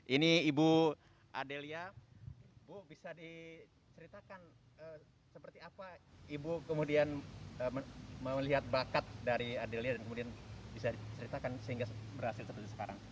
ini ibu adelia ibu bisa diceritakan seperti apa ibu kemudian melihat bakat dari adelia dan kemudian bisa diceritakan sehingga berhasil seperti sekarang